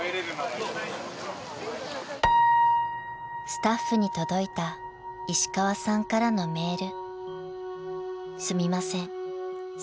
［スタッフに届いた石川さんからのメール］